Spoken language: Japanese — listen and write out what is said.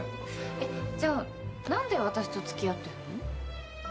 えっじゃあ何で私と付き合ってんの？